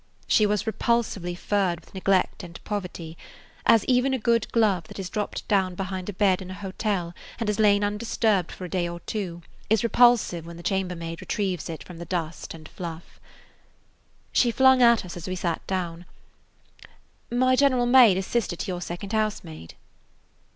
She was repulsively furred with neglect and poverty, as even a good glove that has dropped down behind a bed in a hotel and has lain undisturbed for a day or two is repulsive when the chambermaid retrieves it from the dust and fluff. She flung at us as we sat down: "My general maid is sister to your second housemaid."